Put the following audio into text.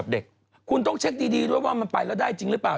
ดูดิว่ามันไปแล้วได้จริงหรือเปล่า